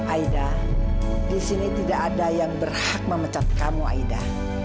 aida di sini tidak ada yang berhak memecat kamu aida